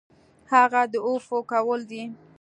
هغه عفوه کول دي .